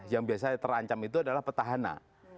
yang biasanya terancam itu adalah petahana